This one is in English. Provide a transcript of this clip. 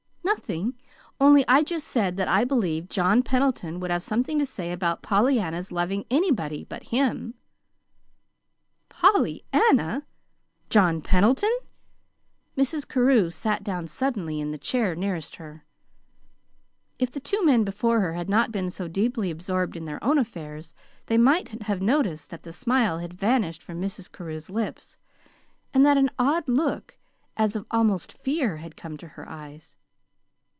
"Nothing; only I just said that I believed John Pendleton would have something to say about Pollyanna's loving anybody but him." "POLLYANNA! JOHN PENDLETON!" Mrs. Carew sat down suddenly in the chair nearest her. If the two men before her had not been so deeply absorbed in their own affairs they might have noticed that the smile had vanished from Mrs. Carew's lips, and that an odd look as of almost fear had come to her eyes.